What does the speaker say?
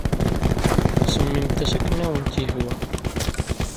Semmimt-as akken ay awent-yehwa.